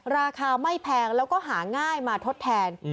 ราคาไม่แพงแล้วก็หาง่ายมาทดแทน